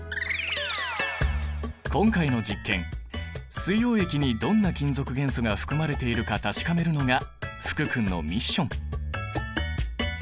今回の実験水溶液にどんな金属元素が含まれているか確かめるのが福君のミッション！